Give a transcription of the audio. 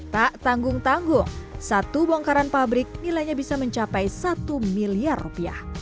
tak tanggung tanggung satu bongkaran pabrik nilainya bisa mencapai satu miliar rupiah